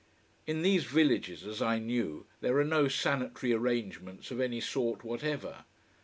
In these villages, as I knew, there are no sanitary arrangements of any sort whatever.